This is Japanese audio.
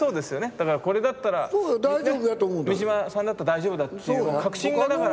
だからこれだったらね三島さんだったら大丈夫だっていう確信がだから。